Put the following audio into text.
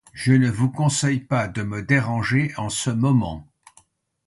Je ne vous conseille pas de me déranger en ce moment.